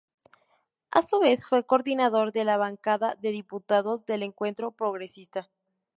A su vez fue coordinador de la bancada de diputados del Encuentro Progresista.